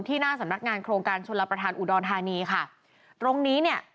หน้าสำนักงานโครงการชนรับประทานอุดรธานีค่ะตรงนี้เนี่ย